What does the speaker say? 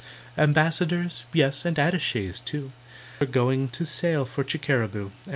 Ambassadors, yes, and attachés, too, Are going to sail for Chickeraboo.